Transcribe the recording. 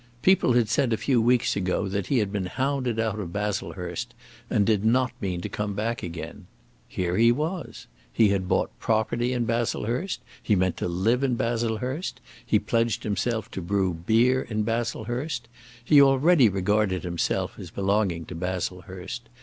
People had said a few weeks ago that he had been hounded out of Baslehurst, and did not mean to come back again. Here he was. He had bought property in Baslehurst. He meant to live in Baslehurst. He pledged himself to brew beer in Baslehurst. He already regarded himself as belonging to Baslehurst.